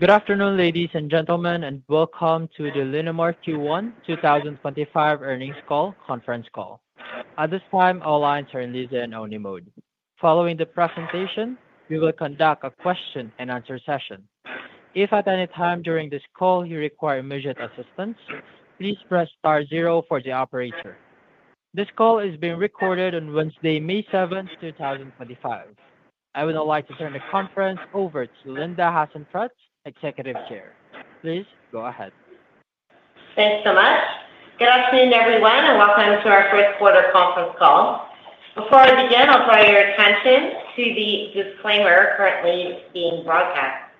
Good afternoon, ladies and gentlemen, and welcome to the Linamar Q1 2025 Earnings Call Conference Call. At this time, all lines are in listen-only mode. Following the presentation, we will conduct a question-and-answer session. If at any time during this call you require immediate assistance, please press star zero for the operator. This call is being recorded on Wednesday, May 7, 2025. I would now like to turn the conference over to Linda Hasenfratz, Executive Chair. Please go ahead. Thanks so much. Good afternoon, everyone, and welcome to our first quarter conference call. Before I begin, I'll draw your attention to the disclaimer currently being broadcast.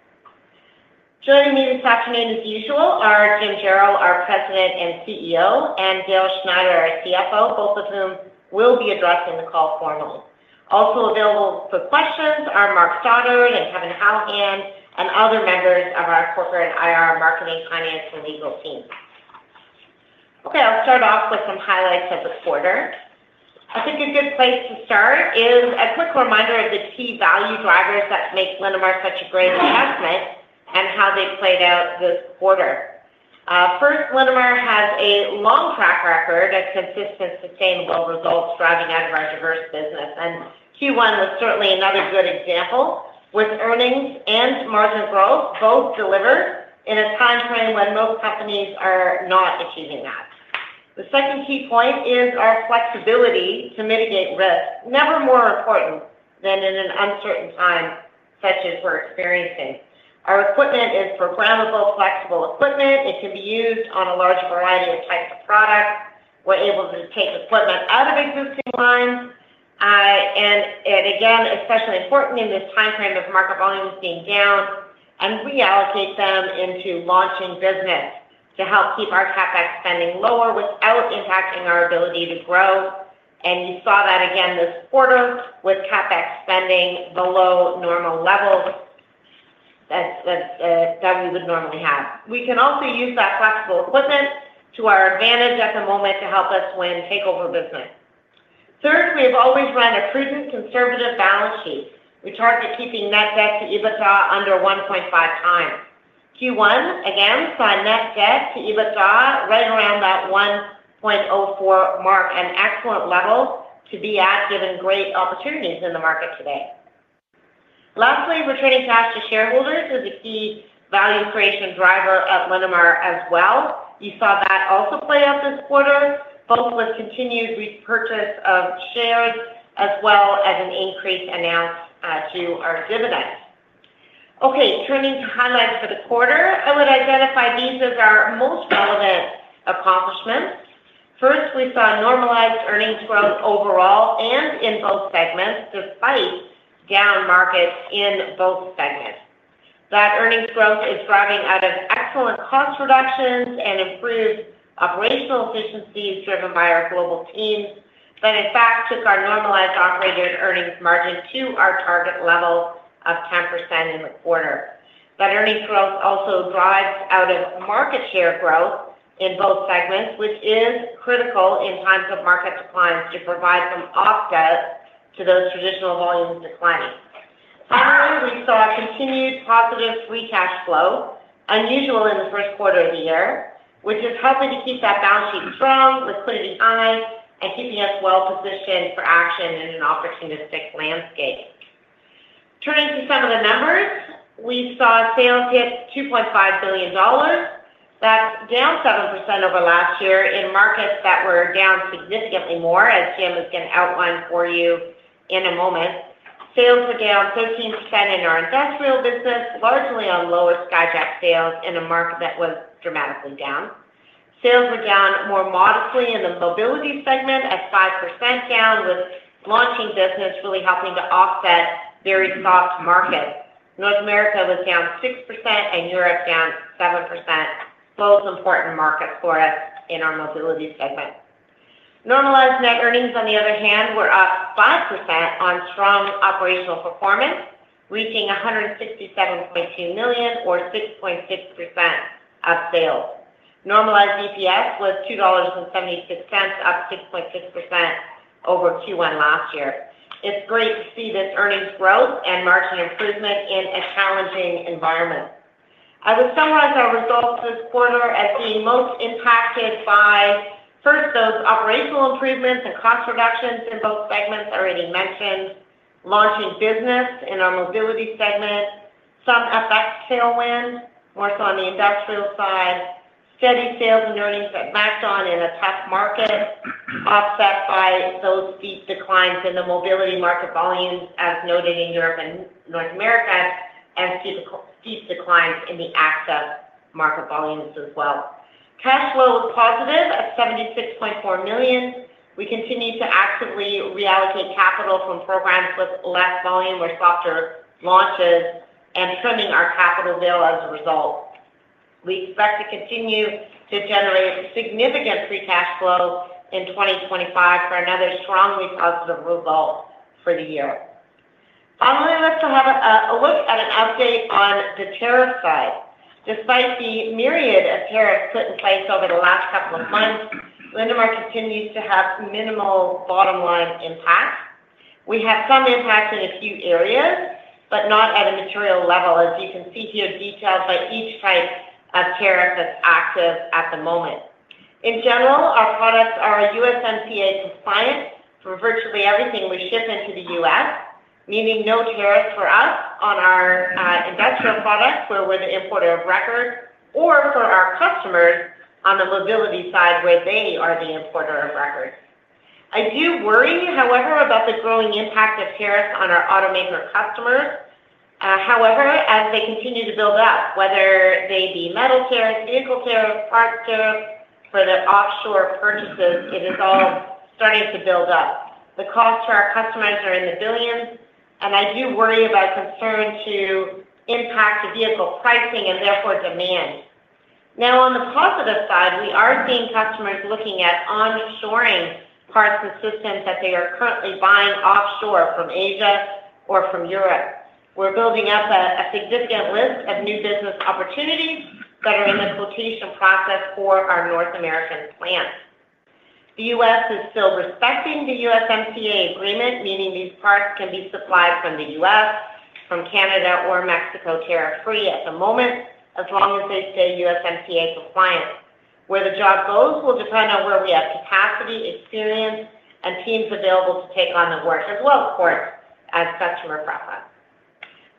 Joining me this afternoon, as usual, are Jim Jarrell, our President and CEO, and Dale Schneider, our CFO, both of whom will be addressing the call formally. Also available for questions are Mark Stoddart, Kevin Hallahan, and other members of our Corporate IR, Marketing, Finance, and Legal team. Okay, I'll start off with some highlights of the quarter. I think a good place to start is a quick reminder of the key value drivers that make Linamar such a great investment and how they played out this quarter. First, Linamar has a long track record of consistent, sustainable results driving out of our diverse business, and Q1 was certainly another good example with earnings and margin growth both deliver in a time frame when most companies are not achieving that. The second key point is our flexibility to mitigate risk, never more important than in an uncertain time such as we're experiencing. Our equipment is programmable-flexible-equipment. It can be used on a large variety of types of products. We're able to take equipment out of existing lines, and again, especially important in this time frame of market volumes being down, and reallocate them into launching business to help keep our CapEx spending lower without impacting our ability to grow. You saw that again this quarter with CapEx spending below normal levels that we would normally have. We can also use that flexible equipment to our advantage at the moment to help us win takeover business. Third, we have always run a prudent, conservative balance sheet. We target keeping net debt to EBITDA under 1.5 times. Q1, again, saw net debt to EBITDA right around that 1.04 mark, an excellent level to be at given great opportunities in the market today. Lastly, returning cash to shareholders is a key value creation driver at Linamar as well. You saw that also play out this quarter, both with continued repurchase of shares as well as an increase announced to our dividends. Okay, turning to highlights for the quarter, I would identify these as our most relevant accomplishments. First, we saw normalized earnings growth overall and in both segments despite down markets in both segments. That earnings growth is driving out of excellent cost reductions and improved operational efficiencies driven by our global team that, in fact, took our normalized operated earnings margin to our target level of 10% in the quarter. That earnings growth also drives out of market share growth in both segments, which is critical in times of market declines to provide some offset to those traditional volumes declining. Finally, we saw continued positive free cash flow, unusual in the first quarter of the year, which is helping to keep that balance sheet strong, liquidity high, and keeping us well positioned for action in an opportunistic landscape. Turning to some of the numbers, we saw sales hit $2.5 billion. That's down 7% over last year in markets that were down significantly more, as Jim is going to outline for you in a moment. Sales were down 13% in our industrial business, largely on lower Skyjack sales in a market that was dramatically down. Sales were down more modestly in the mobility segment at 5% down, with launching business really helping to offset very soft markets. North America was down 6% and Europe down 7%, both important markets for us in our mobility segment. Normalized net earnings, on the other hand, were up 5% on strong operational performance, reaching 167.2 million or 6.6% of sales. Normalized EPS was 2.76 dollars, up 6.6% over Q1 last year. It's great to see this earnings growth and margin improvement in a challenging environment. I would summarize our results this quarter as being most impacted by, first, those operational improvements and cost reductions in both segments already mentioned, launching business in our mobility segment, some FX tailwind, more so on the industrial side, steady sales and earnings that matched on in a tough market, offset by those steep declines in the mobility market volumes, as noted in Europe and North America, and steep declines in the access market volumes as well. Cash flow was positive at 76.4 million. We continue to actively reallocate capital from programs with less volume or softer launches and trimming our capital bill as a result. We expect to continue to generate significant free cash flow in 2025 for another strongly positive result for the year. Finally, let's have a look at an update on the tariff side. Despite the myriad of tariffs put in place over the last couple of months, Linamar continues to have minimal bottom line impact. We have some impact in a few areas, but not at a material level, as you can see here, detailed by each type of tariff that's active at the moment. In general, our products are USMCA compliant for virtually everything we ship into the U.S., meaning no tariffs for us on our industrial products where we're the importer of record or for our customers on the mobility side where they are the importer of record. I do worry, however, about the growing impact of tariffs on our automaker customers. However, as they continue to build up, whether they be metal tariffs, vehicle tariffs, parts tariffs for the offshore purchases, it is all starting to build up. The costs to our customers are in the billions, and I do worry about concern to impact vehicle pricing and therefore demand. Now, on the positive side, we are seeing customers looking at onshoring parts and systems that they are currently buying offshore from Asia or from Europe. We're building up a significant list of new business opportunities that are in the quotation process for our North American plants. The U.S. is still respecting the USMCA agreement, meaning these parts can be supplied from the U.S., from Canada, or Mexico tariff-free at the moment, as long as they stay USMCA compliant. Where the job goes will depend on where we have capacity, experience, and teams available to take on the work, as well, of course, as customer preference.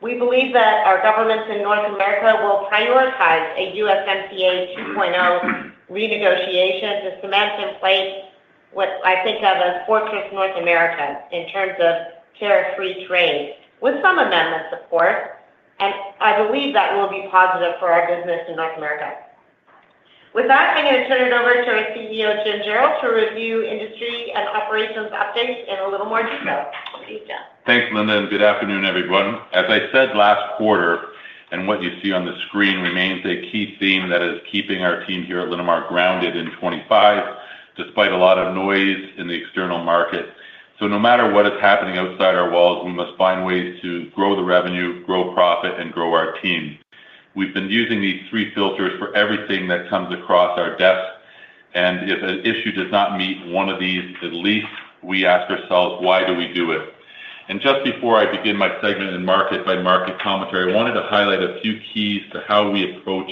We believe that our governments in North America will prioritize a USMCA 2.0 renegotiation to cement in place what I think of as Fortress North America in terms of tariff-free trade, with some amendments, of course, and I believe that will be positive for our business in North America. With that, I'm going to turn it over to our CEO, Jim Jarrell, to review industry and operations updates in a little more detail. Thanks, Linda. Good afternoon, everyone. As I said last quarter, what you see on the screen remains a key theme that is keeping our team here at Linamar grounded in 2025, despite a lot of noise in the external market. No matter what is happening outside our walls, we must find ways to grow the revenue, grow profit, and grow our team. We've been using these three filters for everything that comes across our desk, and if an issue does not meet one of these, at least we ask ourselves, why do we do it? Just before I begin my segment in market by market commentary, I wanted to highlight a few keys to how we approach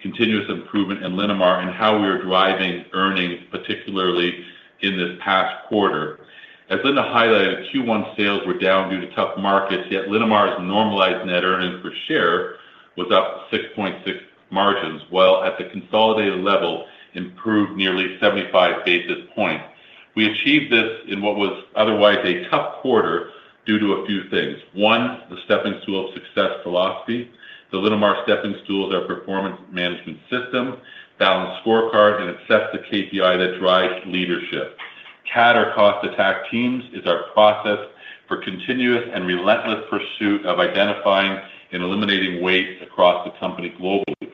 continuous improvement in Linamar and how we are driving earnings, particularly in this past quarter. As Linda highlighted, Q1 sales were down due to tough markets, yet Linamar's normalized net earnings per share was up 6.6%, while at the consolidated level, improved nearly 75 basis points. We achieved this in what was otherwise a tough quarter due to a few things. One, the stepping stool of success philosophy. The Linamar stepping stool is our performance management system, balanced scorecard, and it sets the KPI that drives leadership. CAD or cost-attack teams is our process for continuous and relentless pursuit of identifying and eliminating waste across the company globally.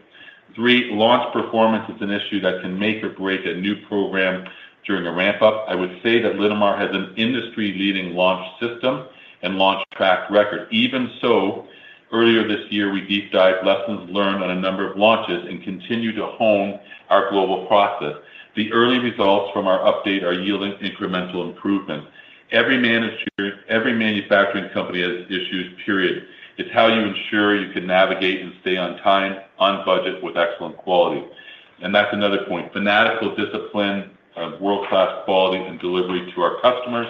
Three, launch performance is an issue that can make or break a new program during a ramp-up. I would say that Linamar has an industry-leading launch system and launch-track record. Even so, earlier this year, we deep-dived lessons learned on a number of launches and continue to hone our global process. The early results from our update are yielding incremental improvements. Every manufacturing company has issues, period. It is how you ensure you can navigate and stay on time, on budget, with excellent quality. That is another point: fanatical discipline, world-class quality, and delivery to our customers.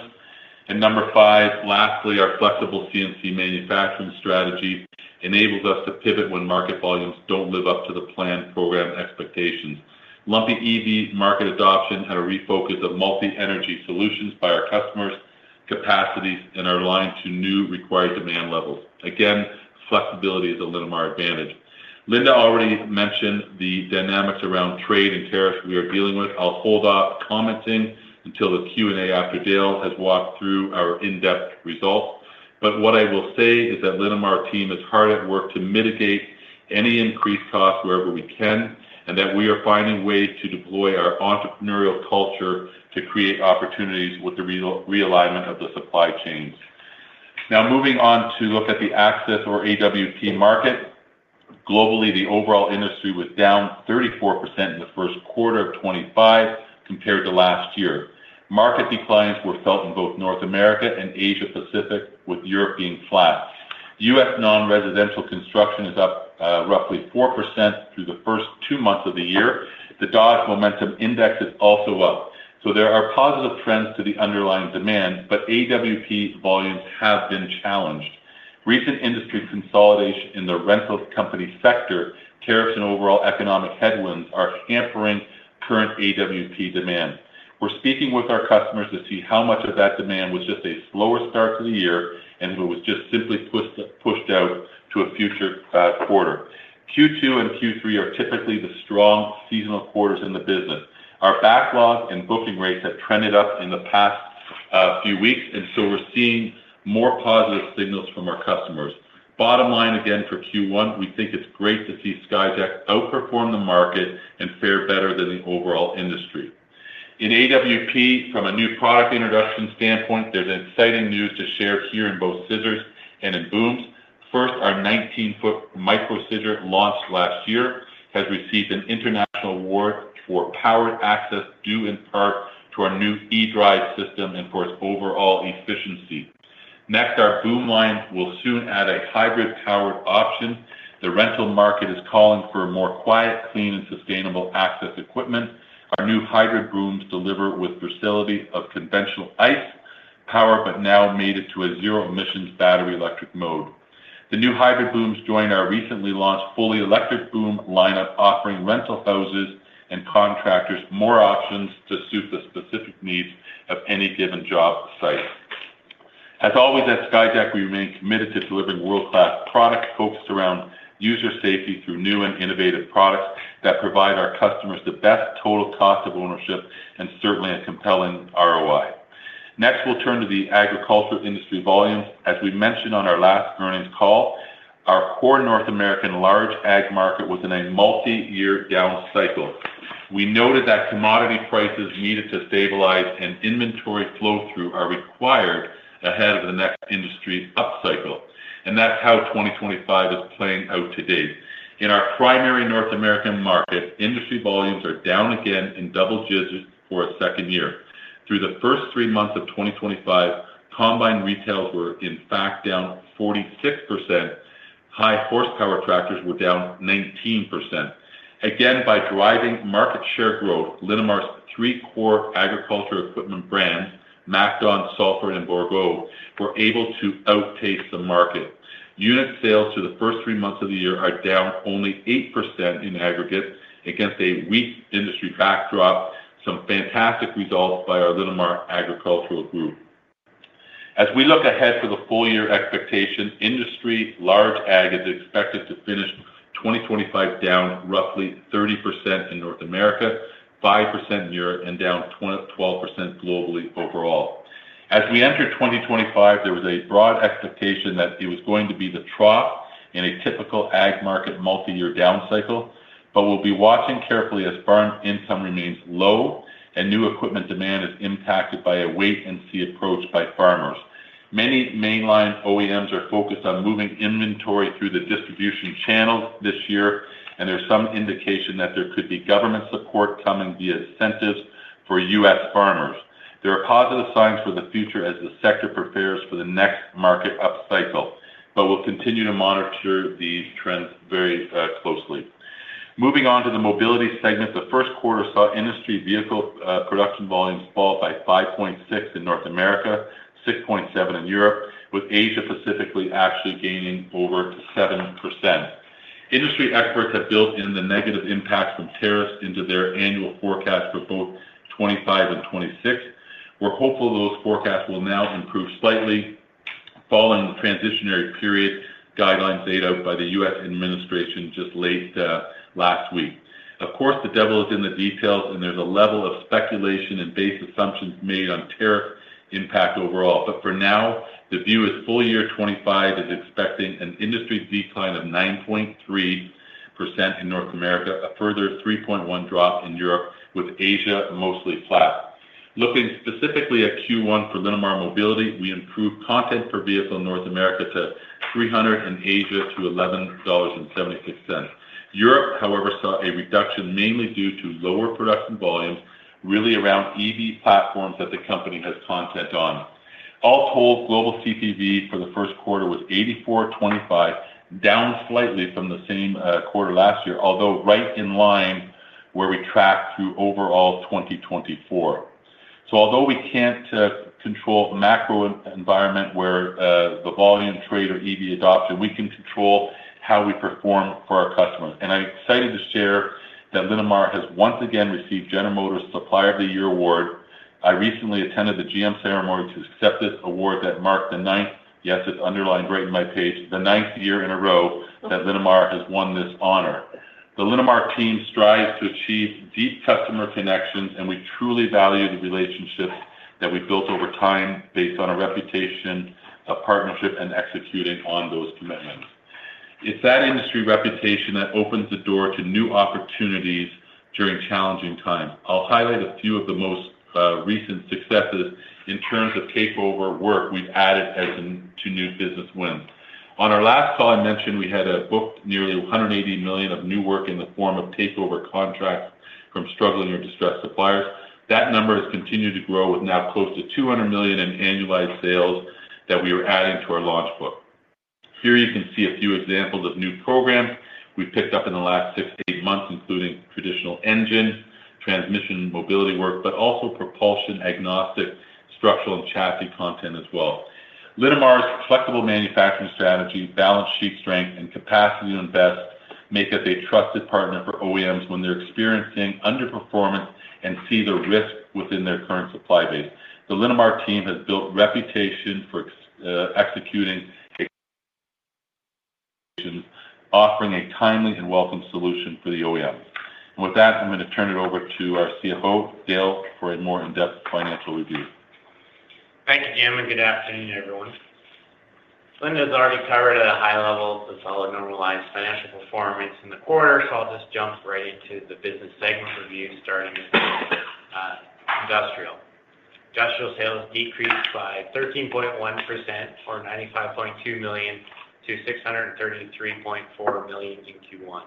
Number five, lastly, our flexible CNC manufacturing strategy enables us to pivot when market volumes do not live up to the planned program expectations. Lumpy EV market adoption and a refocus of multi-energy solutions by our customers, capacities, and our line to new required demand levels. Again, flexibility is a Linamar advantage. Linda already mentioned the dynamics around trade and tariffs we are dealing with. I will hold off commenting until the Q&A after Dale has walked through our in-depth results. What I will say is that the Linamar team is hard at work to mitigate any increased costs wherever we can and that we are finding ways to deploy our entrepreneurial culture to create opportunities with the realignment of the supply chains. Now, moving on to look at the access or AWP market. Globally, the overall industry was down 34% in the first quarter of 2025 compared to last year. Market declines were felt in both North America and Asia-Pacific, with Europe being flat. U.S. non-residential construction is up roughly 4% through the first two months of the year. The Dodge Momentum Index is also up. There are positive trends to the underlying demand, but AWP volumes have been challenged. Recent industry consolidation in the rental company sector, tariffs, and overall economic headwinds are hampering current AWP demand. We're speaking with our customers to see how much of that demand was just a slower start to the year and if it was just simply pushed out to a future quarter. Q2 and Q3 are typically the strong seasonal quarters in the business. Our backlog and booking rates have trended up in the past few weeks, and so we're seeing more positive signals from our customers. Bottom line, again, for Q1, we think it's great to see Skyjack outperform the market and fare better than the overall industry. In AWP, from a new product introduction standpoint, there's exciting news to share here in both scissors and in booms. First, our 19-foot micro-scissor launched last year has received an international award for powered access due in part to our new eDrive system and for its overall efficiency. Next, our boom line will soon add a hybrid-powered option. The rental market is calling for more quiet, clean, and sustainable access equipment. Our new hybrid booms deliver with the facility of conventional ICE power, but now mated to a zero-emissions battery electric mode. The new hybrid booms join our recently launched fully electric-boom lineup, offering rental houses and contractors more options to suit the specific needs of any given job site. As always at Skyjack, we remain committed to delivering world-class products focused around user safety through new and innovative products that provide our customers the best total cost of ownership and certainly a compelling ROI. Next, we'll turn to the agriculture industry volumes. As we mentioned on our last earnings call, our core North American large ag market was in a multi-year down cycle. We noted that commodity prices needed to stabilize and inventory flow-through are required ahead of the next industry up cycle. That is how 2025 is playing out today. In our primary North American market, industry volumes are down again in double digits for a second year. Through the first three months of 2025, combine retails were in fact down 46%. High horsepower tractors were down 19%. Again, by driving market share growth, Linamar's three core agricultural equipment brands, MacDon, Salford, and Bourgault, were able to outpace the market. Unit sales through the first three months of the year are down only 8% in aggregate against a weak industry backdrop. Some fantastic results by our Linamar Agricultural Group. As we look ahead to the full year expectation, industry large ag is expected to finish 2025 down roughly 30% in North America, 5% in Europe, and down 12% globally overall. As we enter 2025, there was a broad expectation that it was going to be the trough in a typical ag market multi-year down cycle, but we'll be watching carefully as farm income remains low and new equipment demand is impacted by a wait-and-see approach by farmers. Many mainline OEMs are focused on moving inventory through the distribution channels this year, and there's some indication that there could be government support coming via incentives for U.S. farmers. There are positive signs for the future as the sector prepares for the next market up cycle, but we'll continue to monitor these trends very closely. Moving on to the mobility segment, the first quarter saw industry vehicle production volumes fall by 5.6% in North America, 6.7% in Europe, with Asia-Pacific actually gaining over 7%. Industry experts have built in the negative impacts from tariffs into their annual forecast for both 2025 and 2026. We're hopeful those forecasts will now improve slightly following the transitionary period guidelines laid out by the U.S. administration just late last week. Of course, the devil is in the details, and there's a level of speculation and base assumptions made on tariff impact overall. For now, the view is full year 2025 is expecting an industry decline of 9.3% in North America, a further 3.1% drop in Europe, with Asia mostly flat. Looking specifically at Q1 for Linamar Mobility, we improved content per vehicle in North America to 300 and Asia to $11.76. Europe, however, saw a reduction mainly due to lower production volumes, really around EV platforms that the company has content on. All told, global CPV for the first quarter was 84.25, down slightly from the same quarter last year, although right in line where we tracked through overall 2024. Although we can't control macro environment where the volume trade or EV adoption, we can control how we perform for our customers. I'm excited to share that Linamar has once again received General Motors Supplier of the Year award. I recently attended the GM ceremony to accept this award that marked the ninth—yes, it's underlined right in my page—the ninth year in a row that Linamar has won this honor. The Linamar team strives to achieve deep customer connections, and we truly value the relationships that we built over time based on a reputation of partnership and executing on those commitments. It's that industry reputation that opens the door to new opportunities during challenging times. I'll highlight a few of the most recent successes in terms of takeover work we've added to new business wins. On our last call, I mentioned we had booked nearly 180 million of new work in the form of takeover contracts from struggling or distressed suppliers. That number has continued to grow with now close to 200 million in annualized sales that we are adding to our launch book. Here you can see a few examples of new programs we've picked up in the last six to eight months, including traditional engine transmission mobility work, but also propulsion agnostic structural and chassis content as well. Linamar's flexible manufacturing strategy, balance sheet strength, and capacity to invest make us a trusted partner for OEMs when they're experiencing underperformance and see the risk within their current supply base. The Linamar team has built reputation for executing, offering a timely and welcome solution for the OEM. With that, I'm going to turn it over to our CFO, Dale, for a more in-depth financial review. Thank you, Jim. Good afternoon, everyone. Linda has already covered at a high level the solid normalized financial performance in the quarter, so I'll just jump right into the business segment review starting with industrial. Industrial sales decreased by 13.1% or 95.2 million to 633.4 million in Q1.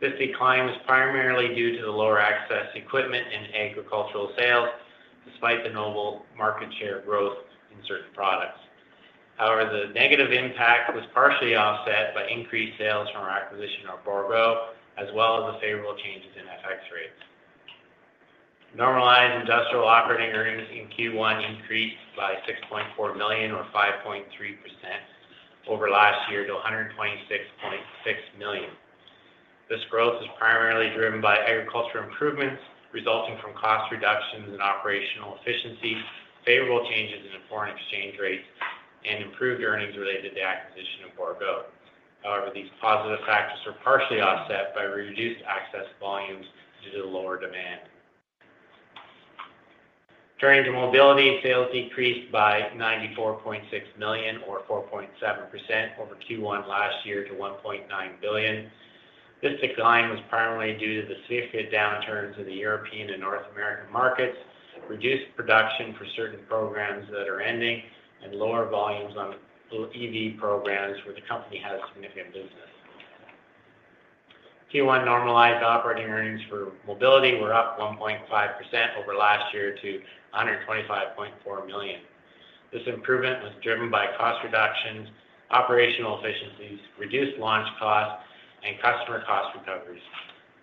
This decline was primarily due to the lower access equipment and agricultural sales, despite the notable market share growth in certain products. However, the negative impact was partially offset by increased sales from our acquisition of Bourgault, as well as the favorable changes in FX rates. Normalized industrial operating earnings in Q1 increased by 6.4 million or 5.3% over last year to 126.6 million. This growth is primarily driven by agricultural improvements resulting from cost reductions in operational efficiency, favorable changes in foreign exchange rates, and improved earnings related to the acquisition of Bourgault. However, these positive factors are partially offset by reduced access volumes due to the lower demand. During the mobility, sales decreased by 94.6 million or 4.7% over Q1 last year to 1.9 billion. This decline was primarily due to the significant downturns in the European and North American markets, reduced production for certain programs that are ending, and lower volumes on EV programs where the company has significant business. Q1 normalized operating earnings for mobility were up 1.5% over last year to 125.4 million. This improvement was driven by cost reductions, operational efficiencies, reduced launch costs, and customer cost recoveries.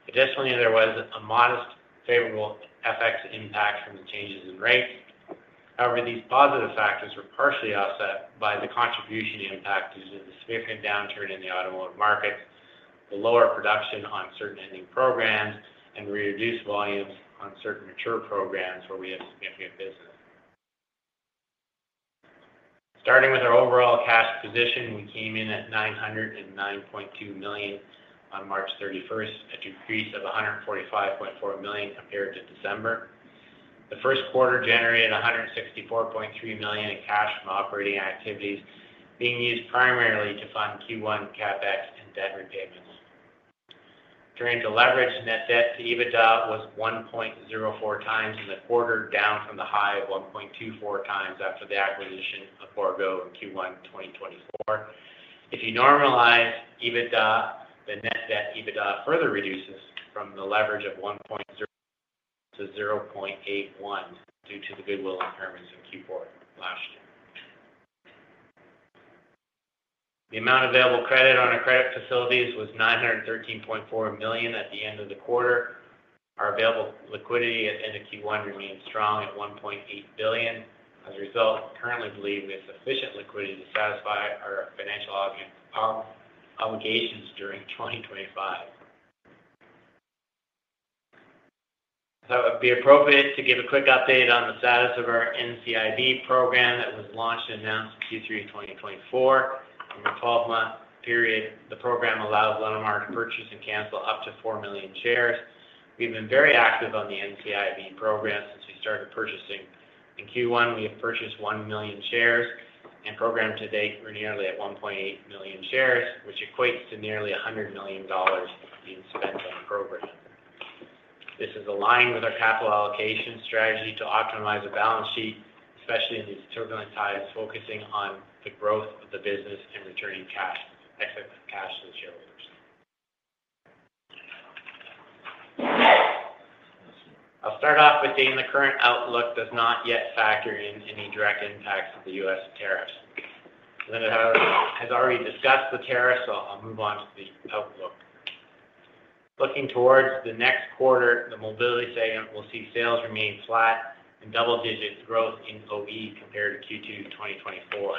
Additionally, there was a modest favorable FX impact from the changes in rates. However, these positive factors were partially offset by the contribution impact due to the significant downturn in the automotive markets, the lower production on certain ending programs, and reduced volumes on certain mature programs where we have significant business. Starting with our overall cash position, we came in at 909.2 million on March 31st, a decrease of 145.4 million compared to December. The first quarter generated 164.3 million in cash from operating activities, being used primarily to fund Q1 CapEx and debt repayments. During the leverage, net debt EBITDA was 1.04 times in the quarter, down from the high of 1.24 times after the acquisition of Bourgault in Q1 2024. If you normalize EBITDA, the net debt EBITDA further reduces from the leverage of 1.0 to 0.81 due to the goodwill impairments in Q4 last year. The amount available credit on our credit facilities was 913.4 million at the end of the quarter. Our available liquidity at end of Q1 remained strong at 1.8 billion. As a result, we currently believe we have sufficient liquidity to satisfy our financial obligations during 2025. It would be appropriate to give a quick update on the status of our NCIB program that was launched and announced in Q3 2024. In the 12-month period, the program allows Linamar to purchase and cancel up to 4 million shares. We've been very active on the NCIB program since we started purchasing. In Q1, we have purchased 1 million shares, and program to date we're nearly at 1.8 million shares, which equates to nearly 100 million dollars being spent on the program. This is aligned with our capital allocation strategy to optimize the balance sheet, especially in these turbulent times, focusing on the growth of the business and returning cash to the shareholders. I'll start off with saying the current outlook does not yet factor in any direct impacts of the U.S. tariffs. Linda, however, has already discussed the tariffs, so I'll move on to the outlook. Looking towards the next quarter, the mobility segment will see sales remain flat and double-digit growth in OE compared to Q2 2024.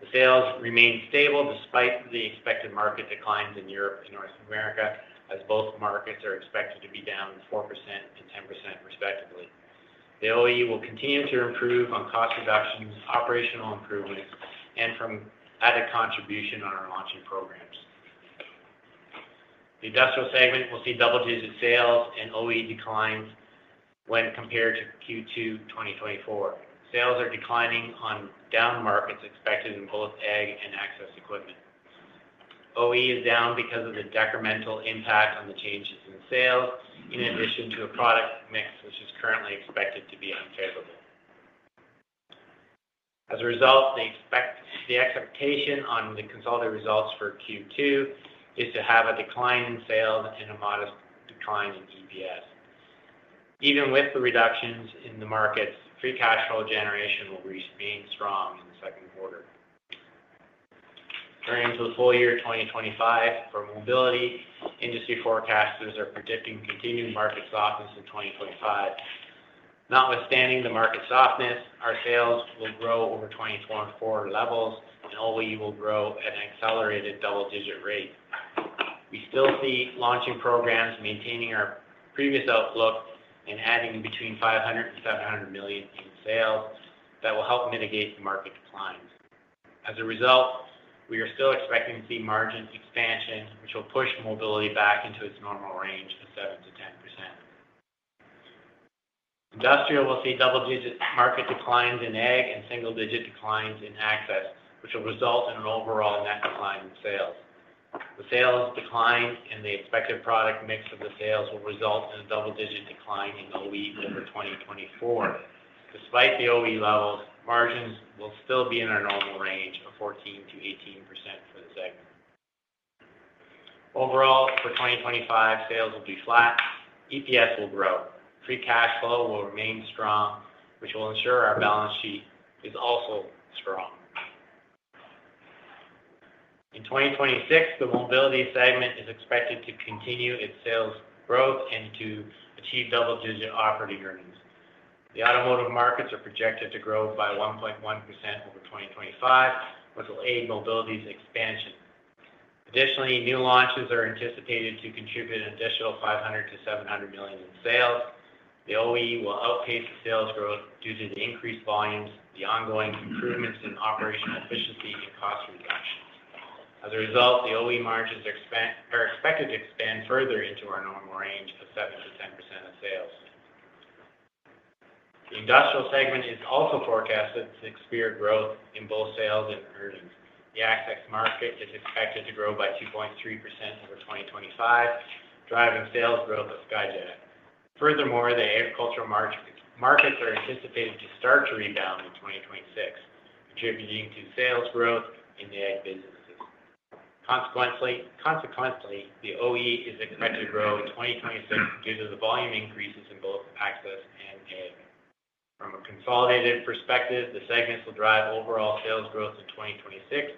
The sales remain stable despite the expected market declines in Europe and North America, as both markets are expected to be down 4% - 10% respectively. The OE will continue to improve on cost reductions, operational improvements, and from added contribution on our launching programs. The industrial segment will see double-digit sales and OE declines when compared to Q2 2024. Sales are declining on down markets expected in both ag and access equipment. OE is down because of the detrimental impact on the changes in sales, in addition to a product mix which is currently expected to be unfavorable. As a result, the expectation on the consulted results for Q2 is to have a decline in sales and a modest decline in EPS. Even with the reductions in the markets, free cash flow generation will remain strong in the second quarter. During the full year 2025, for mobility, industry forecasters are predicting continued market softness in 2025. Notwithstanding the market softness, our sales will grow over 2024 levels, and OE will grow at an accelerated double-digit rate. We still see launching programs maintaining our previous outlook and adding between 500 million and 700 million in sales that will help mitigate the market declines. As a result, we are still expecting to see margin expansion, which will push mobility back into its normal range of 7-10%. Industrial will see double-digit market declines in ag and single-digit declines in access, which will result in an overall net decline in sales. The sales decline in the expected product mix of the sales will result in a double-digit decline in OE over 2024. Despite the OE levels, margins will still be in our normal range of 14-18% for the segment. Overall, for 2025, sales will be flat. EPS will grow. Free cash flow will remain strong, which will ensure our balance sheet is also strong. In 2026, the mobility segment is expected to continue its sales growth and to achieve double-digit operating earnings. The automotive markets are projected to grow by 1.1% over 2025, which will aid mobility's expansion. Additionally, new launches are anticipated to contribute an additional 500 million-700 million in sales. The OE will outpace the sales growth due to the increased volumes, the ongoing improvements in operational efficiency, and cost reductions. As a result, the OE margins are expected to expand further into our normal range of 7%-10% of sales. The industrial segment is also forecasted to experience growth in both sales and earnings. The access market is expected to grow by 2.3% over 2025, driving sales growth of Skyjack. Furthermore, the agricultural markets are anticipated to start to rebound in 2026, contributing to sales growth in the ag businesses. Consequently, the OE is expected to grow in 2026 due to the volume increases in both access and ag. From a consolidated perspective, the segments will drive overall sales growth in 2026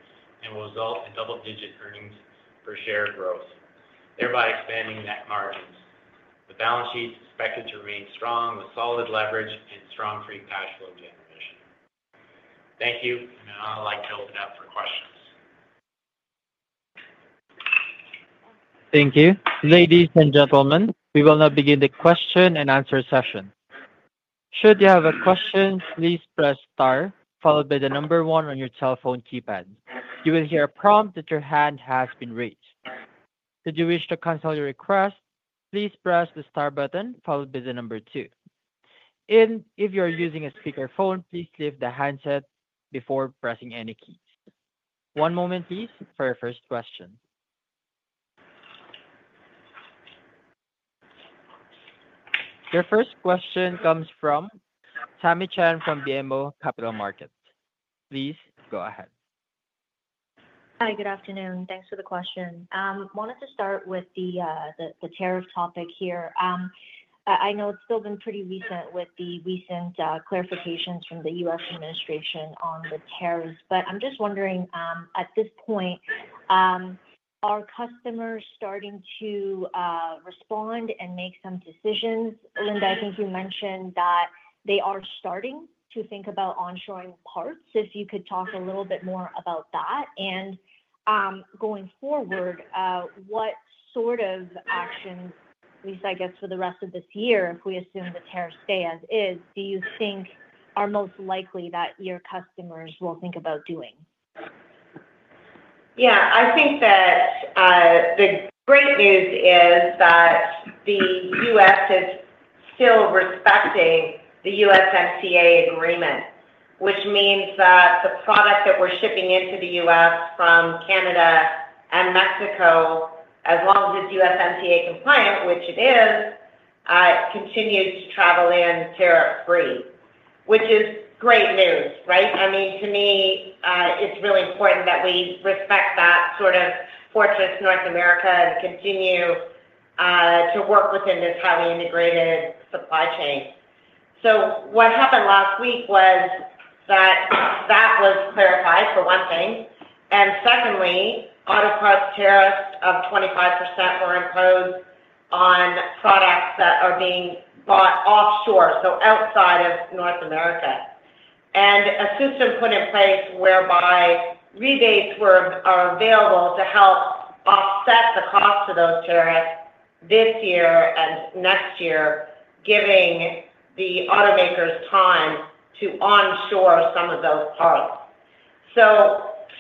and will result in double-digit earnings per share growth, thereby expanding net margins. The balance sheet is expected to remain strong with solid leverage and strong free cash flow generation. Thank you, and I'd like to open it up for questions. Thank you. Ladies and gentlemen, we will now begin the question and answer session. Should you have a question, please press star, followed by the number one on your telephone keypad. You will hear a prompt that your hand has been raised. If you wish to cancel your request, please press the star button, followed by the number two. If you are using a speakerphone, please lift the handset before pressing any keys. One moment, please, for your first question. Your first question comes from Tamy Chen from BMO Capital Markets. Please go ahead. Hi, good afternoon. Thanks for the question. I wanted to start with the tariff topic here. I know it's still been pretty recent with the recent clarifications from the U.S. administration on the tariffs, but I'm just wondering, at this point, are customers starting to respond and make some decisions? Linda, I think you mentioned that they are starting to think about onshoring parts. If you could talk a little bit more about that. Going forward, what sort of actions, at least I guess for the rest of this year, if we assume the tariffs stay as is, do you think are most likely that your customers will think about doing? Yeah, I think that the great news is that the U.S. is still respecting the USMCA agreement, which means that the product that we're shipping into the U.S. from Canada and Mexico, as long as it's USMCA compliant, which it is, continues to travel in tariff-free, which is great news, right? I mean, to me, it's really important that we respect that sort of fortress North America and continue to work within this highly integrated supply chain. What happened last week was that that was clarified, for one thing. Secondly, auto parts tariffs of 25% were imposed on products that are being bought offshore, so outside of North America. A system was put in place whereby rebates are available to help offset the cost of those tariffs this year and next year, giving the automakers time to onshore some of those parts.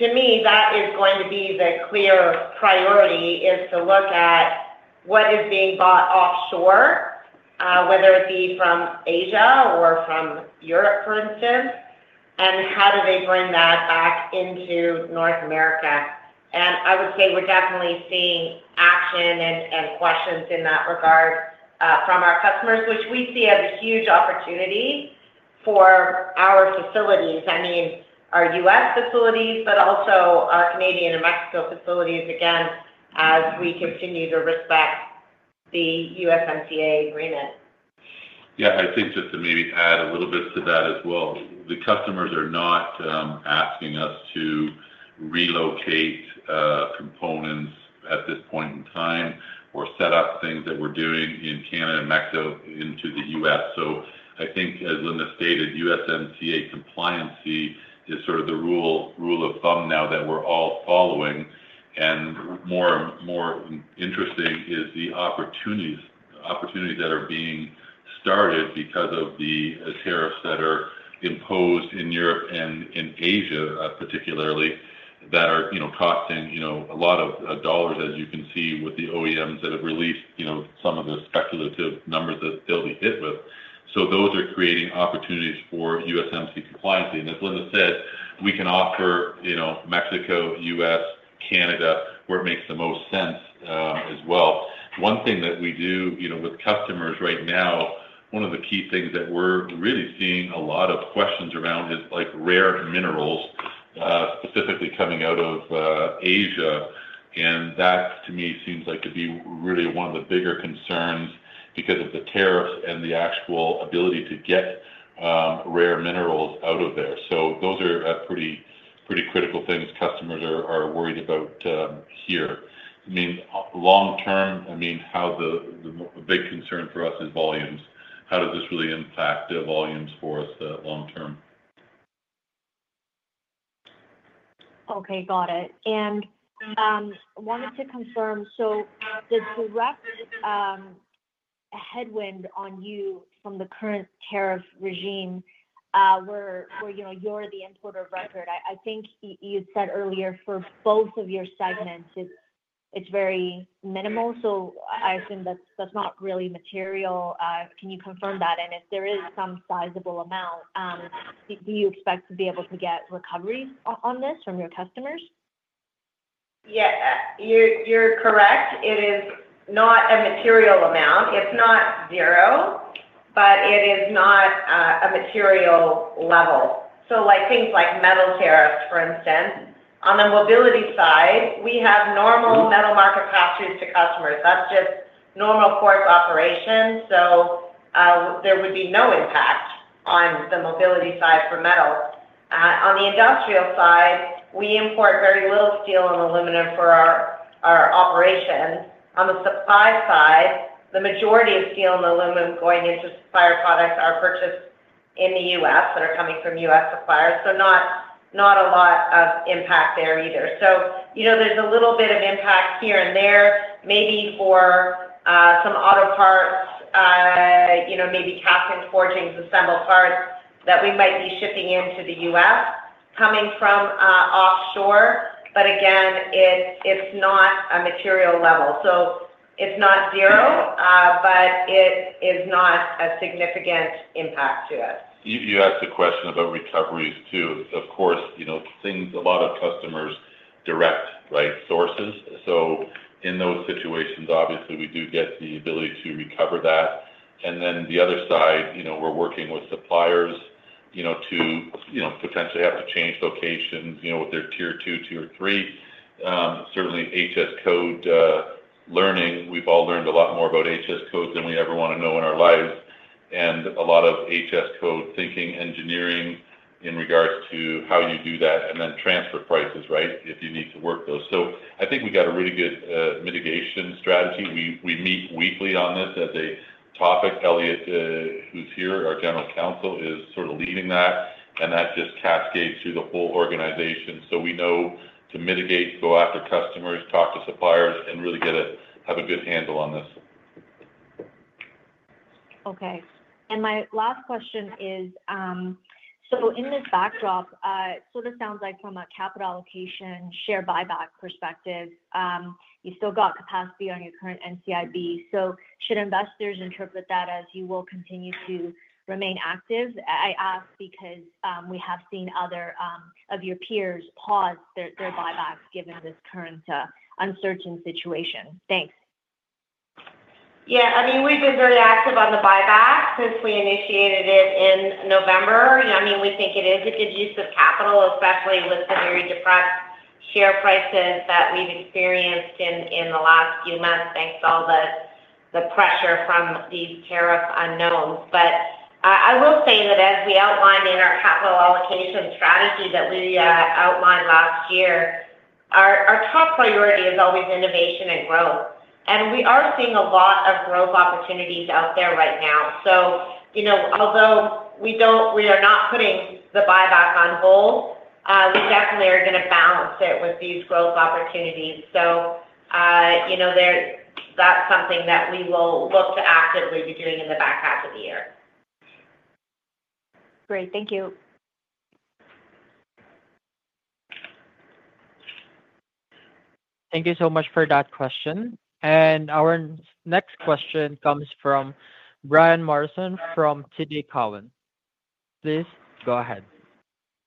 To me, that is going to be the clear priority, is to look at what is being bought offshore, whether it be from Asia or from Europe, for instance, and how do they bring that back into North America. I would say we're definitely seeing action and questions in that regard from our customers, which we see as a huge opportunity for our facilities. I mean, our U.S. facilities, but also our Canadian and Mexico facilities, again, as we continue to respect the USMCA agreement. Yeah, I think just to maybe add a little bit to that as well. The customers are not asking us to relocate components at this point in time or set up things that we're doing in Canada and Mexico into the U.S. I think, as Linda stated, USMCA compliancy is sort of the rule of thumb now that we're all following. More interesting is the opportunities that are being started because of the tariffs that are imposed in Europe and in Asia, particularly, that are costing a lot of dollars, as you can see with the OEMs that have released some of the speculative numbers that they'll be hit with. Those are creating opportunities for USMCA compliancy. As Linda said, we can offer Mexico, U.S., Canada, where it makes the most sense as well. One thing that we do with customers right now, one of the key things that we're really seeing a lot of questions around is rare minerals, specifically coming out of Asia. That, to me, seems like to be really one of the bigger concerns because of the tariffs and the actual ability to get rare minerals out of there. Those are pretty critical things customers are worried about here. I mean, long term, I mean, the big concern for us is volumes. How does this really impact volumes for us long term? Okay, got it. I wanted to confirm, the direct headwind on you from the current tariff regime where you're the importer of record, I think you said earlier for both of your segments, it's very minimal. I assume that's not really material. Can you confirm that? If there is some sizable amount, do you expect to be able to get recoveries on this from your customers? Yeah, you're correct. It is not a material amount. It's not zero, but it is not a material level. Things like metal tariffs, for instance, on the mobility side, we have normal metal market pass-throughs to customers. That's just normal course operation. There would be no impact on the mobility side for metal. On the industrial side, we import very little steel and aluminum for our operation. On the supply side, the majority of steel and aluminum going into supplier products are purchased in the U.S. that are coming from U.S. suppliers. Not a lot of impact there either. There's a little bit of impact here and there, maybe for some auto parts, maybe cast and forging assembled parts that we might be shipping into the U.S. coming from offshore. Again, it's not a material level. It is not zero, but it is not a significant impact to us. You asked a question about recoveries too. Of course, a lot of customers direct, right, sources. In those situations, obviously, we do get the ability to recover that. The other side, we're working with suppliers to potentially have to change locations with their tier two, tier three. Certainly, HS code learning. We've all learned a lot more about HS codes than we ever want to know in our lives. A lot of HS code thinking, engineering in regards to how you do that, and then transfer prices, right, if you need to work those. I think we got a really good mitigation strategy. We meet weekly on this as a topic. Elliott, who's here, our General Counsel, is sort of leading that. That just cascades through the whole organization. We know to mitigate, go after customers, talk to suppliers, and really have a good handle on this. Okay. My last question is, in this backdrop, it sort of sounds like from a capital allocation share buyback perspective, you still got capacity on your current NCIB. Should investors interpret that as you will continue to remain active? I ask because we have seen other of your peers pause their buybacks given this current uncertain situation. Thanks. Yeah, I mean, we've been very active on the buyback since we initiated it in November. I mean, we think it is a good use of capital, especially with the very depressed share prices that we've experienced in the last few months thanks to all the pressure from these tariff unknowns. I will say that as we outlined in our capital allocation strategy that we outlined last year, our top priority is always innovation and growth. We are seeing a lot of growth opportunities out there right now. Although we are not putting the buyback on hold, we definitely are going to balance it with these growth opportunities. That is something that we will look to actively be doing in the back half of the year. Great. Thank you. Thank you so much for that question. Our next question comes from Brian Morrison from TD Cowen. Please go ahead.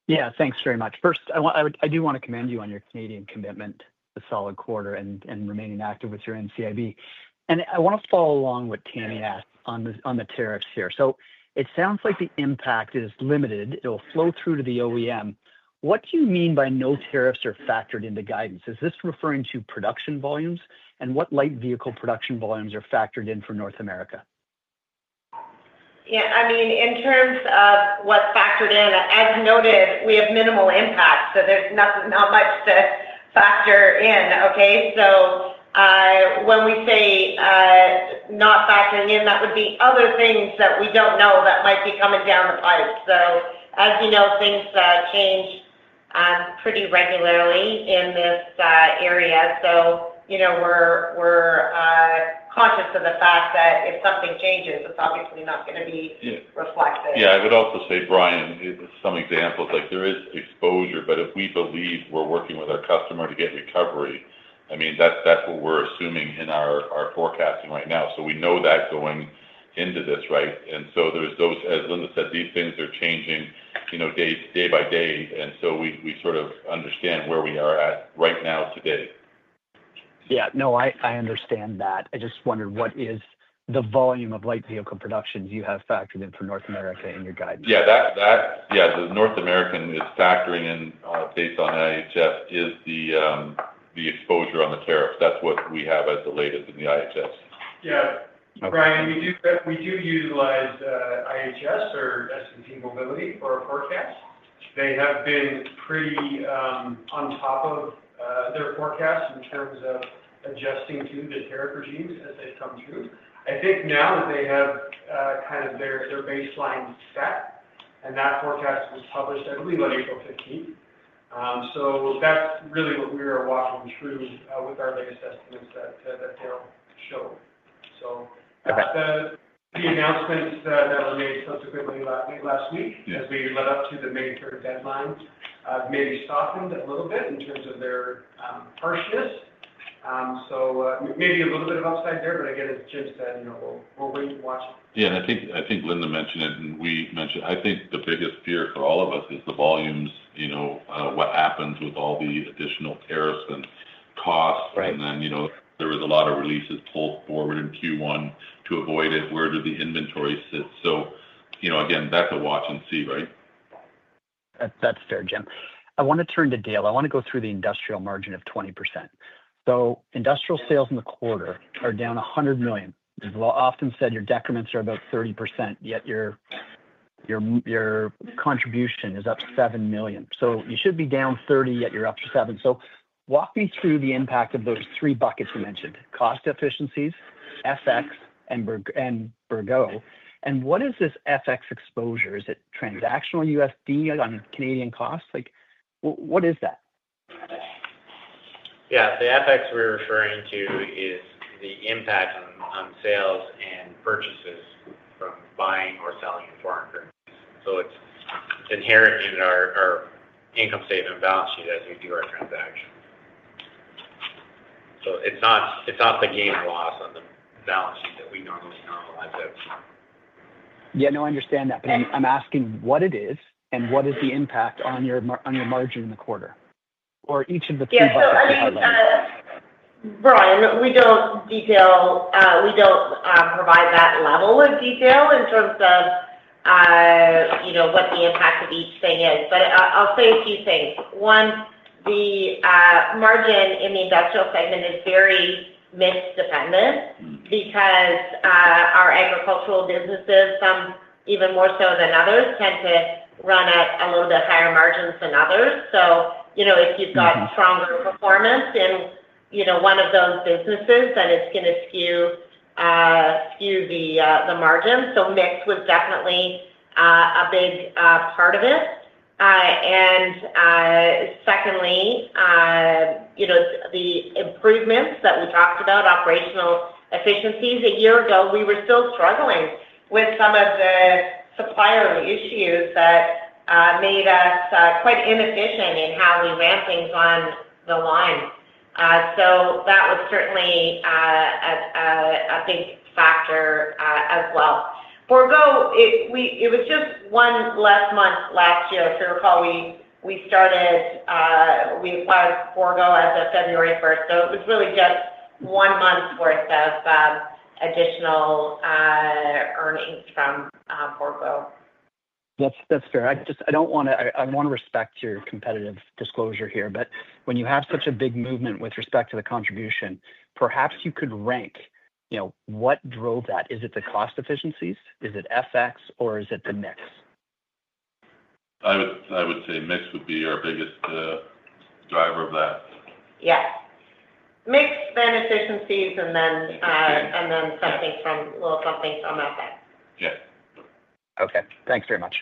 Yeah, thanks very much. First, I do want to commend you on your Canadian commitment to solid quarter and remaining active with your NCIB. I want to follow along with Tamy on the tariffs here. It sounds like the impact is limited. It'll flow through to the OEM. What do you mean by no tariffs are factored into guidance? Is this referring to production volumes? What light vehicle production volumes are factored in for North America? Yeah, I mean, in terms of what's factored in, as noted, we have minimal impact. So there's not much to factor in, okay? When we say not factoring in, that would be other things that we don't know that might be coming down the pipe. As you know, things change pretty regularly in this area. We're conscious of the fact that if something changes, it's obviously not going to be reflected. Yeah, I would also say, Brian, some examples, there is exposure, but if we believe we're working with our customer to get recovery, I mean, that's what we're assuming in our forecasting right now. We know that going into this, right? There are those, as Linda said, these things are changing day-by-day. We sort of understand where we are at right now today. Yeah, no, I understand that. I just wondered what is the volume of light vehicle productions you have factored in for North America in your guidance? Yeah, the North American is factoring in based on IHS is the exposure on the tariffs. That's what we have as the latest in the IHS. Yeah. Brian, we do utilize IHS or S&P Mobility for our forecasts. They have been pretty on top of their forecasts in terms of adjusting to the tariff regimes as they've come through. I think now that they have kind of their baseline set and that forecast was published, I believe, on April 15th. That is really what we are walking through with our latest estimates that Dale showed. The announcements that were made subsequently late last week, as we led up to the May 3rd deadline, maybe softened a little bit in terms of their harshness. Maybe a little bit of upside there, but again, as Jim said, we'll wait and watch. Yeah, and I think Linda mentioned it, and we mentioned it. I think the biggest fear for all of us is the volumes, what happens with all the additional tariffs and costs. There was a lot of releases pulled forward in Q1 to avoid it. Where do the inventory sit? Again, that's a watch and see, right? That's fair, Jim. I want to turn to Dale. I want to go through the industrial margin of 20%. Industrial sales in the quarter are down 100 million. You've often said your decrements are about 30%, yet your contribution is up 7 million. You should be down 30 million, yet you're up 7 million. Walk me through the impact of those three buckets you mentioned: cost efficiencies, FX, and Bourgault. What is this FX exposure? Is it transactional USD on Canadian costs? What is that? Yeah, the FX we're referring to is the impact on sales and purchases from buying or selling foreign currencies. It is inherent in our income statement balance sheet as we do our transactions. It is not the gain or loss on the balance sheet that we normally normalize it. Yeah, no, I understand that. I am asking what it is and what is the impact on your margin in the quarter or each of the three buckets? Yeah, I mean, Brian, we do not detail. We do not provide that level of detail in terms of what the impact of each thing is. But I will say a few things. One, the margin in the industrial segment is very mix dependent because our agricultural businesses, some even more so than others, tend to run at a little bit higher margins than others. If you have got stronger performance in one of those businesses, then it is going to skew the margin. Mix was definitely a big part of it. Secondly, the improvements that we talked about, operational efficiencies. A year ago, we were still struggling with some of the supplier issues that made us quite inefficient in how we ran things on the line. That was certainly a big factor as well. Bourgault, it was just one less month last year. If you recall, we started we acquired Bourgault as of February 1st. So it was really just one month's worth of additional earnings from Bourgault. That's fair. I don't want to, I want to respect your competitive disclosure here. But when you have such a big movement with respect to the contribution, perhaps you could rank what drove that. Is it the cost efficiencies? Is it FX? Or is it the mix? I would say mix would be our biggest driver of that. Yeah. Mix, then efficiencies, and then something from FX. Yeah. Okay. Thanks very much.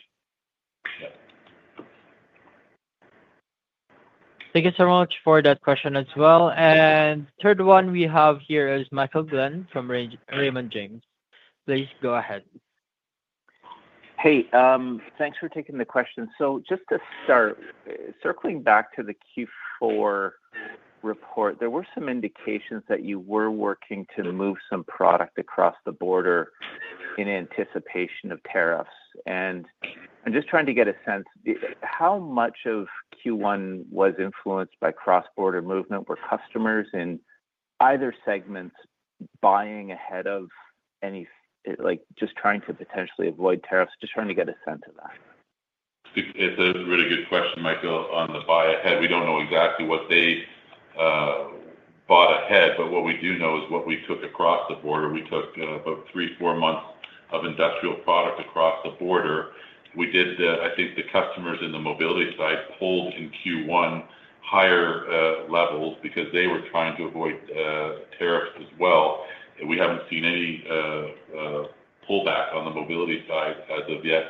Thank you so much for that question as well. The third one we have here is Michael Glen from Raymond James. Please go ahead. Hey, thanks for taking the question. Just to start, circling back to the Q4 report, there were some indications that you were working to move some product across the border in anticipation of tariffs. I am just trying to get a sense, how much of Q1 was influenced by cross-border movement? Were customers in either segment buying ahead of any, just trying to potentially avoid tariffs? Just trying to get a sense of that. It's a really good question, Michael, on the buy ahead. We don't know exactly what they bought ahead. What we do know is what we took across the border. We took about three to four months of industrial product across the border. I think the customers in the mobility side pulled in Q1 higher levels because they were trying to avoid tariffs as well. We haven't seen any pullback on the mobility side as of yet.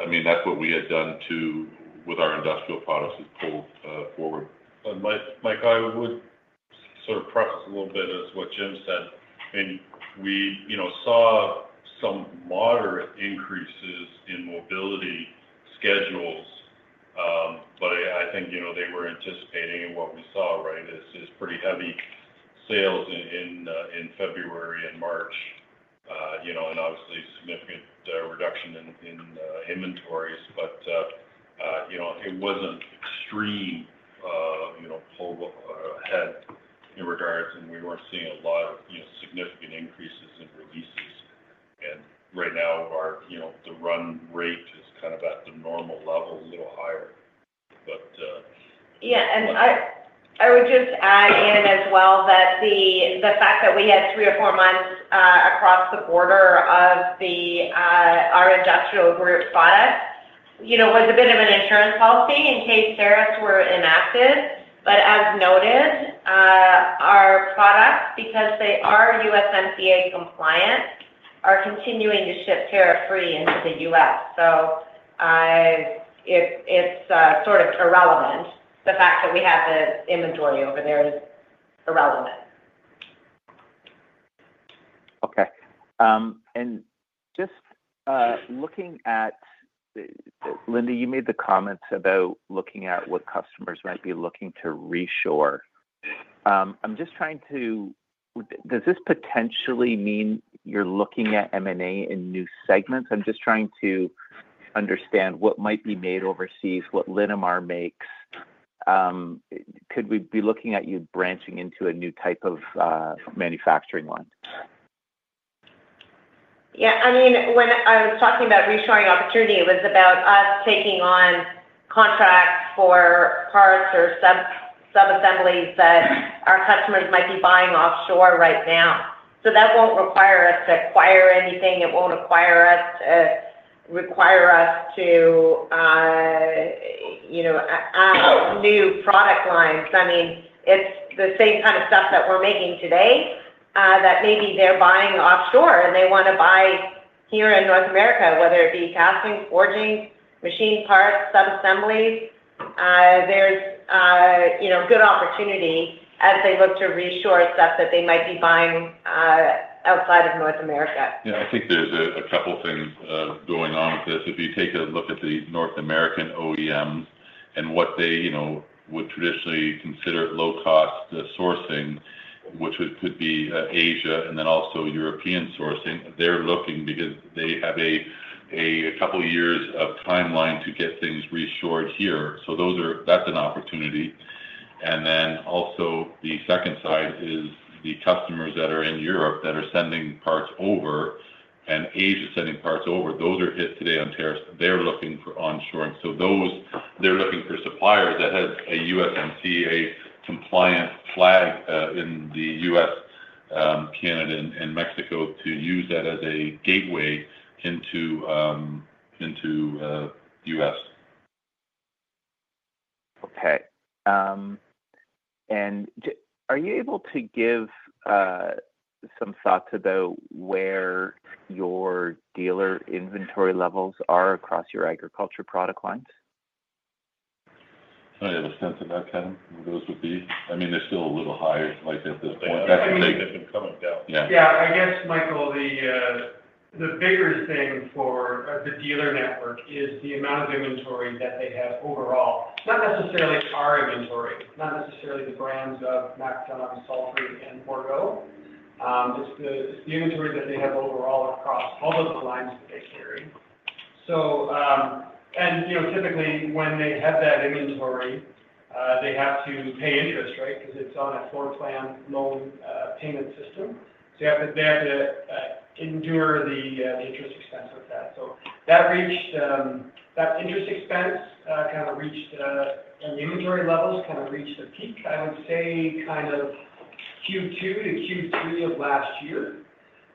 I mean, that's what we had done with our industrial products is pull forward. Michael, I would sort of preface a little bit as what Jim said. I mean, we saw some moderate increases in mobility schedules. I think they were anticipating what we saw, right, is pretty heavy sales in February and March, and obviously significant reduction in inventories. It was not extreme pull ahead in regards. We were not seeing a lot of significant increases in releases. Right now, the run rate is kind of at the normal level, a little higher. Yeah. I would just add in as well that the fact that we had three or four months across the border of our industrial group product was a bit of an insurance policy in case tariffs were enacted. As noted, our products, because they are USMCA compliant, are continuing to ship tariff-free into the U.S. It is sort of irrelevant. The fact that we have the inventory over there is irrelevant. Okay. Just looking at Linda, you made the comments about looking at what customers might be looking to re-shore. I'm just trying to, does this potentially mean you're looking at M&A in new segments? I'm just trying to understand what might be made overseas, what Linamar makes. Could we be looking at you branching into a new type of manufacturing line? Yeah. I mean, when I was talking about reshoring opportunity, it was about us taking on contracts for parts or subassemblies that our customers might be buying offshore right now. That will not require us to acquire anything. It will not require us to add new product lines. I mean, it is the same kind of stuff that we are making today that maybe they are buying offshore and they want to buy here in North America, whether it be casting, forging, machine parts, subassemblies. There is good opportunity as they look to re-shore stuff that they might be buying outside of North America. Yeah, I think there's a couple of things going on with this. If you take a look at the North American OEMs and what they would traditionally consider low-cost sourcing, which could be Asia and then also European sourcing, they're looking because they have a couple of years of timeline to get things re-shored here. That is an opportunity. Also, the second side is the customers that are in Europe that are sending parts over and Asia sending parts over. Those are hit today on tariffs. They're looking for onshoring. They're looking for suppliers that have a USMCA compliant flag in the U.S., Canada, and Mexico to use that as a gateway into the U.S. Okay. Are you able to give some thoughts about where your dealer inventory levels are across your agriculture product lines? I don't have a sense of that, Kevin. Those would be, I mean, they're still a little higher at this point. That could take. Yeah, I guess, Michael, the bigger thing for the dealer network is the amount of inventory that they have overall. Not necessarily our inventory, not necessarily the brands of MacDon, Salford, and Bourgault. It's the inventory that they have overall across all of the lines that they carry. Typically, when they have that inventory, they have to pay interest, right, because it's on a floor plan loan payment system. They have to endure the interest expense with that. That interest expense kind of reached and the inventory levels kind of reached a peak, I would say, kind of Q2 to Q3 of last year.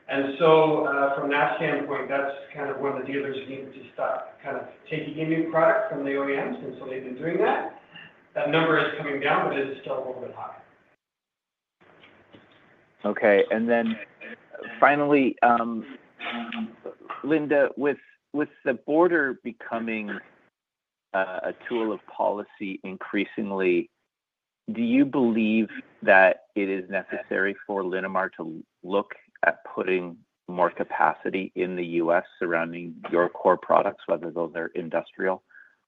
From that standpoint, that's kind of when the dealers needed to stop kind of taking in new products from the OEMs. They've been doing that. That number is coming down, but it's still a little bit high. Okay. And then finally, Linda, with the border becoming a tool of policy increasingly, do you believe that it is necessary for Linamar to look at putting more capacity in the U.S. surrounding your core products, whether those are industrial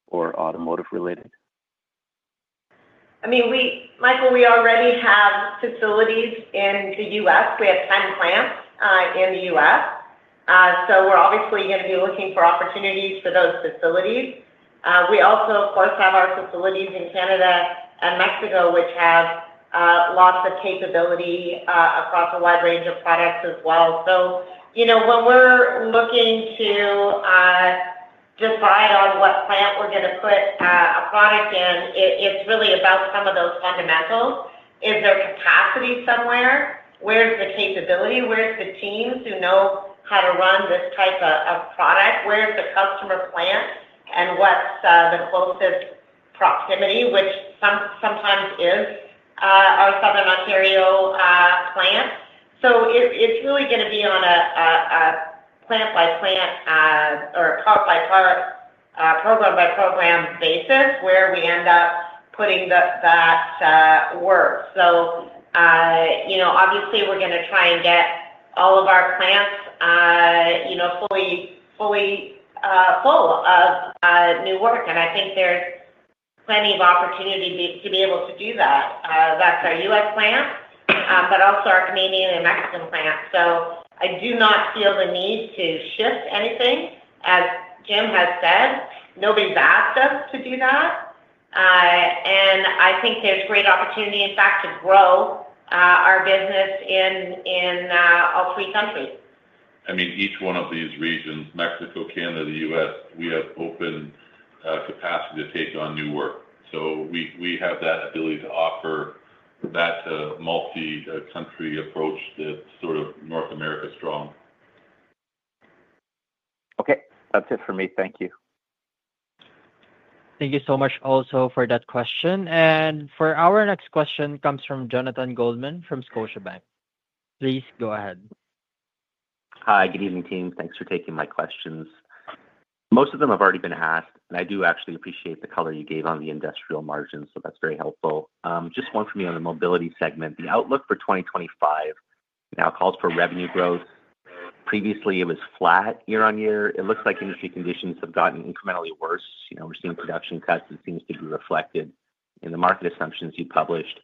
or automotive-related? I mean, Michael, we already have facilities in the U.S. We have 10 plants in the U.S. We are obviously going to be looking for opportunities for those facilities. We also, of course, have our facilities in Canada and Mexico, which have lots of capability across a wide range of products as well. When we are looking to decide on what plant we are going to put a product in, it is really about some of those fundamentals. Is there capacity somewhere? Where is the capability? Where are the teams who know how to run this type of product? Where is the customer plant and what is the closest proximity, which sometimes is our Southern Ontario plant? It is really going to be on a plant-by-plant or part-by-part, program-by-program basis where we end up putting that work. Obviously, we are going to try and get all of our plants fully full of new work. I think there's plenty of opportunity to be able to do that. That's our U.S. plant, but also our Canadian and Mexican plant. I do not feel the need to shift anything. As Jim has said, nobody's asked us to do that. I think there's great opportunity, in fact, to grow our business in all three countries. I mean, each one of these regions, Mexico, Canada, U.S., we have open capacity to take on new work. So we have that ability to offer that multi-country approach that's sort of North America strong. Okay. That's it for me. Thank you. Thank you so much also for that question. For our next question comes from Jonathan Goldman from Scotiabank. Please go ahead. Hi. Good evening, team. Thanks for taking my questions. Most of them have already been asked. I do actually appreciate the color you gave on the industrial margins. That is very helpful. Just one for me on the mobility segment. The outlook for 2025 now calls for revenue growth. Previously, it was flat year on year. It looks like industry conditions have gotten incrementally worse. We are seeing production cuts. It seems to be reflected in the market assumptions you published.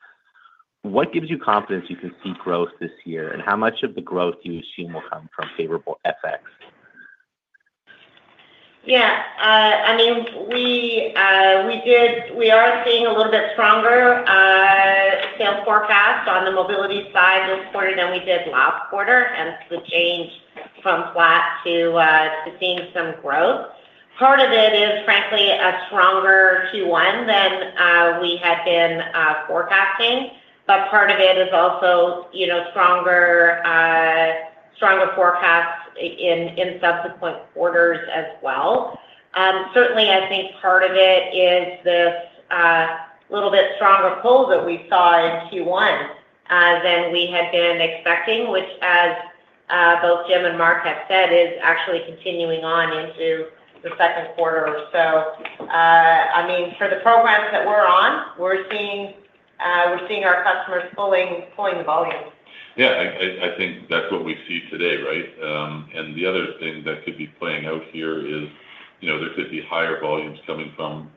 What gives you confidence you can see growth this year? How much of the growth do you assume will come from favorable FX? Yeah. I mean, we are seeing a little bit stronger sales forecast on the mobility side this quarter than we did last quarter. Hence the change from flat to seeing some growth. Part of it is, frankly, a stronger Q1 than we had been forecasting. Part of it is also stronger forecasts in subsequent quarters as well. Certainly, I think part of it is this little bit stronger pull that we saw in Q1 than we had been expecting, which, as both Jim and Mark have said, is actually continuing on into the second quarter. I mean, for the programs that we're on, we're seeing our customers pulling volume. Yeah. I think that's what we see today, right? The other thing that could be playing out here is there could be higher volumes coming from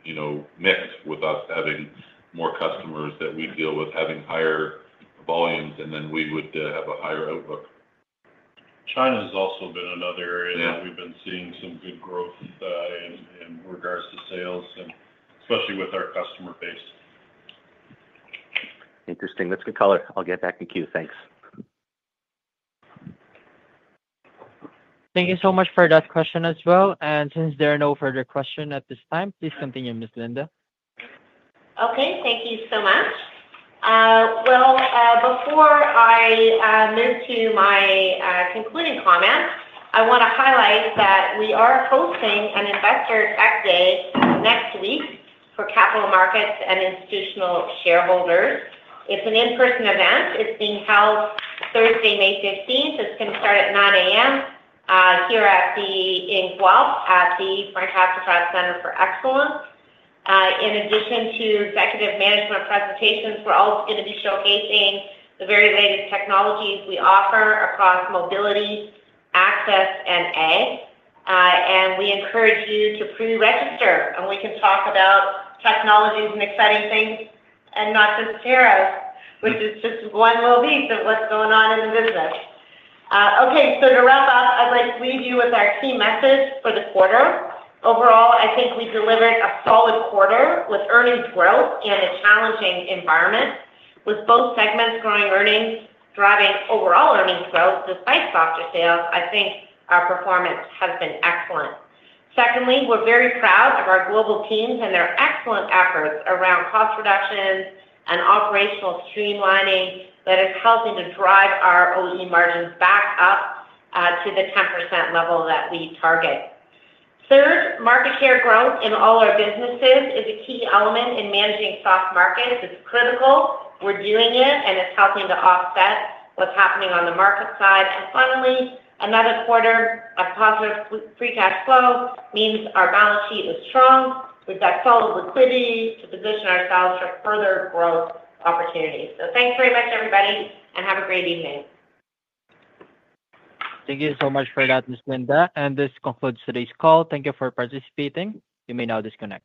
mix with us having more customers that we deal with having higher volumes, and then we would have a higher outlook. China has also been another area that we've been seeing some good growth in regards to sales, especially with our customer base. Interesting. That's good color. I'll get back to Q. Thanks. Thank you so much for that question as well. Since there are no further questions at this time, please continue, Ms. Linda. Okay. Thank you so much. Before I move to my concluding comments, I want to highlight that we are hosting an Investor Tech Day next week for capital markets and institutional shareholders. It is an in-person event. It is being held Thursday, May 15th. It is going to start at 9:00 A.M. here in Guelph at the Frank Hasenfratz Center for Excellence. In addition to executive management presentations, we are also going to be showcasing the very latest technologies we offer across mobility, access, and A. We encourage you to pre-register. We can talk about technologies and exciting things and not just tariffs, which is just one little piece of what is going on in the business. Okay. To wrap up, I would like to leave you with our key message for the quarter. Overall, I think we delivered a solid quarter with earnings growth in a challenging environment. With both segments growing earnings, driving overall earnings growth despite softer sales, I think our performance has been excellent. Secondly, we're very proud of our global teams and their excellent efforts around cost reductions and operational streamlining that is helping to drive our OE margins back up to the 10% level that we target. Third, market share growth in all our businesses is a key element in managing soft markets. It's critical. We're doing it, and it's helping to offset what's happening on the market side. Finally, another quarter of positive free cash flow means our balance sheet is strong. We've got solid liquidity to position ourselves for further growth opportunities. Thanks very much, everybody, and have a great evening. Thank you so much for that, Ms. Hasenfratz. This concludes today's call. Thank you for participating. You may now disconnect.